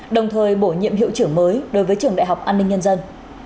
đồng thời bổ nhiệm hiệu trưởng mới đối với trường đại học an ninh nhân dân